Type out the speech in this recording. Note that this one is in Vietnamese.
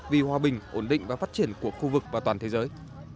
vì hòa bình ổn định và phát triển của khu vực và toàn thế giới